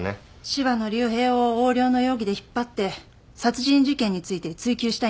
柴野竜平を横領の容疑で引っ張って殺人事件について追及したいんだと思う。